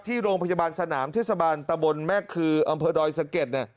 ที่โรงพยาบาลสนามเทศบาลตะบนแม่คืออำเภอดอยสะเก็ดเนี่ย